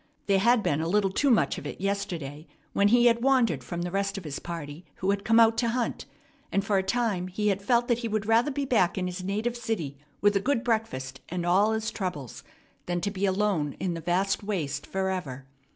There had been a little too much of it yesterday, when he wandered from the rest of his party who had come out to hunt; and for a time he had felt that he would rather be back in his native city with a good breakfast and all his troubles than to be alone in the vast waste forever.